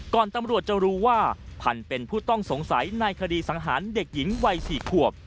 ตำรวจจะรู้ว่าพันธุ์เป็นผู้ต้องสงสัยในคดีสังหารเด็กหญิงวัย๔ขวบ